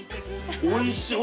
おいしい。